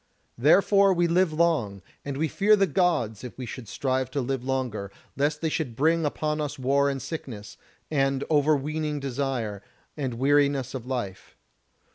Therefore we live long, and we fear the Gods if we should strive to live longer, lest they should bring upon us war and sickness, and over weening desire, and weariness of life.